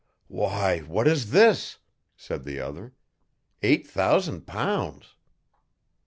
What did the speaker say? "Why, what is this?" said the other. "Eight thousand pounds."